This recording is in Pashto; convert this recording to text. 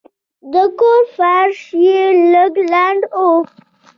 د کور فرش یې لږ لند و.